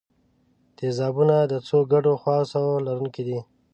تیزابونه د څو ګډو خواصو لرونکي دي.